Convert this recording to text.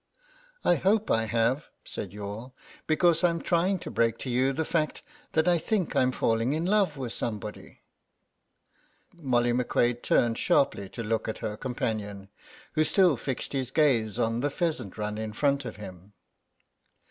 "I hope I have," said Youghal, "because I'm trying to break to you the fact that I think I'm falling in love with somebody." Molly McQuade turned sharply to look at her companion, who still fixed his gaze on the pheasant run in front of him.